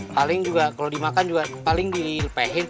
kalau dimakan juga paling dipehe